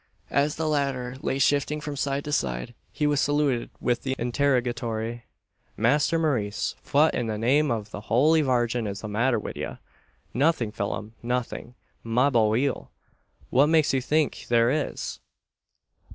As the latter lay shifting from side to side, he was saluted with the interrogatory "Masther Maurice, fwhat, in the name of the Howly Vargin, is the matther wid ye?" "Nothing, Phelim nothing, mabohil! What makes you think there is?"